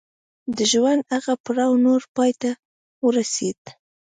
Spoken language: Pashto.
د ژوند هغه پړاو نور پای ته ورسېد.